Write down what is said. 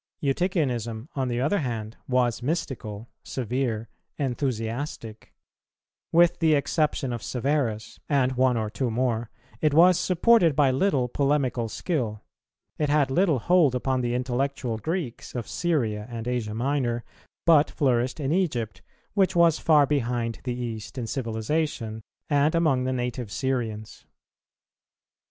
Eutychianism, on the other hand, was mystical, severe, enthusiastic; with the exception of Severus, and one or two more, it was supported by little polemical skill; it had little hold upon the intellectual Greeks of Syria and Asia Minor, but flourished in Egypt, which was far behind the East in civilization, and among the native Syrians.